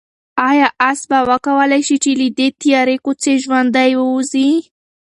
آیا آس به وکولای شي چې له دې تیاره کوهي ژوندی ووځي؟